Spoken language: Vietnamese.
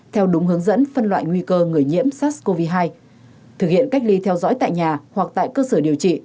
theo đúng hướng dẫn phân loại nguy cơ người nhiễm sars cov hai thực hiện cách ly theo dõi tại nhà hoặc tại cơ sở điều trị